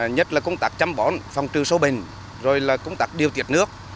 nhất là công tác chăm bón phòng trừ sâu bình rồi là công tác điều tiệt nước